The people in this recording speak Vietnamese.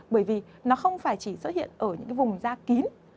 bởi vì nó không phải chỉ xuất hiện ở những cái vùng da kín